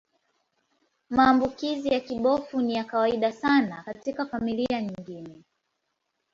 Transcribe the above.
Maambukizi ya kibofu ni ya kawaida sana katika familia nyingine.